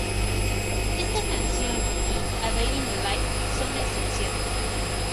Esta canción y "A Day in the Life" son la excepción.